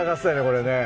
これね。